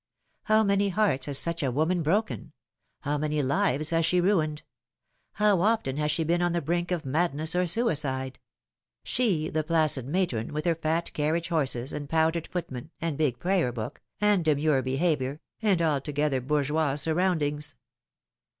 How many hearts has such a woman broken ; how many lives has she ruined ; how often has she been on the brink of madness or suicide ? she, the placid matron, with her fat carriage horses, and powdered footmen, and big prayer book, and demure behaviour, and altogether bourgeois surround ings.